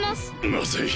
まずい！